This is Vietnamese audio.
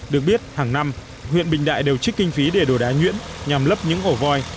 được biết hàng năm huyện bình đại đều trích kinh phí để đổ đá nhuyễn nhằm lấp những ổ voi